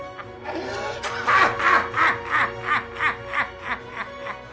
ハハハハハハハ！